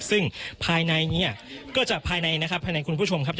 ซึ่งภายในนี้ก็จะภายในนะครับภายในคุณผู้ชมครับ